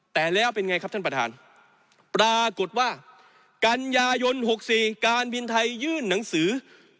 แต่แล้วเป็นไงครับท่านประธานปรากฏว่ากันยายน๖๔การบินไทยยื่นหนังสือ